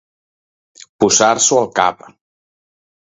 Posar-s'ho al cap.